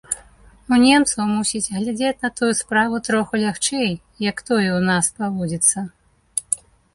У немцаў, мусіць, глядзяць на тую справу троху лягчэй, як тое ў нас паводзіцца.